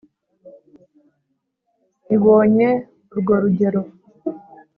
ibonye urwo rugero